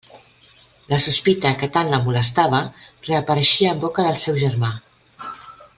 La sospita que tant la molestava reapareixia en boca del seu germà.